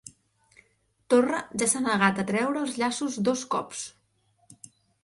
Torra ja s'ha negat a treure els llaços dos cops